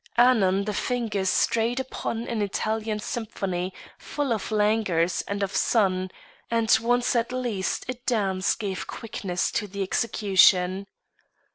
Anon the fingers strayed upon an Italian symphony full of languors and of sun, and once at least a dance gave quickness to the execution.